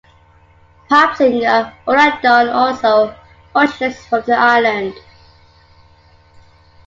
Pop singer Aura Dione also originates from the island.